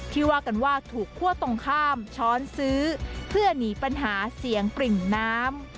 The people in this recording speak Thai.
ว่ากันว่าถูกคั่วตรงข้ามช้อนซื้อเพื่อหนีปัญหาเสียงปริ่มน้ำ